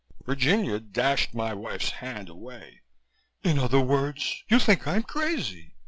Virginia dashed my wife's hand away. "In other words, you think I'm crazy!"